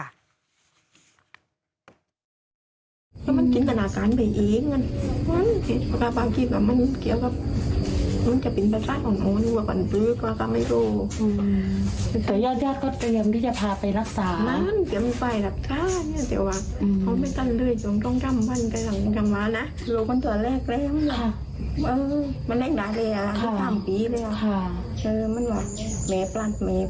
แล้วยาดก็เตรียมที่จะพาไปรักษา